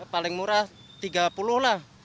paling murah tiga puluh lah